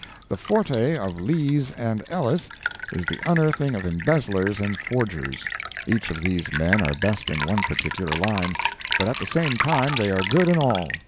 The forte of Lees and Ellis, is the unearthing of embezzlers and forgers. Each of these men are best in one particular line, but at the same time they are good in all.